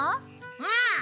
うん！